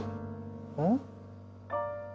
うん？